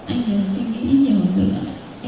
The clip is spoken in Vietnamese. anh đã suy nghĩ nhiều nữa